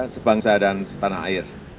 sebangsa dan setanah air